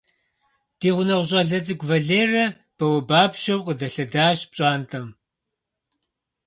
Ди гъунэгъу щӀалэ цӀыкӀу Валерэ бауэбапщэу къыдэлъэдащ пщӀантӀэм.